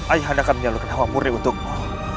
ayah anda akan menyalurkan hawa murni untukmu